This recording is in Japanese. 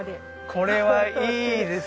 これはいいです。